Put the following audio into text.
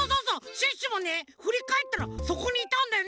シュッシュもねふりかえったらそこにいたんだよね！